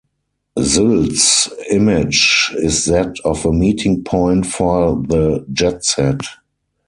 Sylt's image is that of a meeting point for the jet-set.